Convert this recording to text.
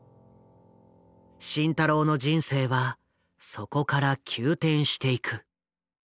慎太郎の人生はそこから急転していく。